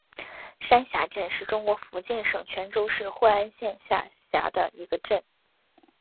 山霞镇是中国福建省泉州市惠安县下辖的一个镇。